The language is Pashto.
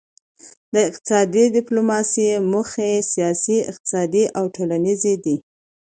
د اقتصادي ډیپلوماسي موخې سیاسي اقتصادي او ټولنیزې دي